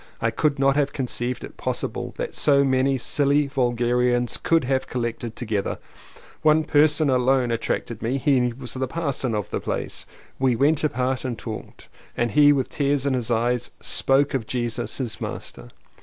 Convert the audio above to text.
I could not have conceived it possible that so many silly vulgarians could have collected together! One person alone attracted me; he was the parson of the place. We went apart and talked, and he with tears in his eyes spoke of Jesus — his Master.